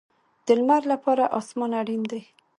د لمر لپاره اسمان اړین دی